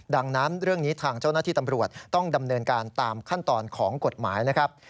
ดังนั้นเรื่องนี้ทางเจ้าหน้าที่ตำรวจต้องดำเนินการตามขั้นตอนของกฎหมายนะครับ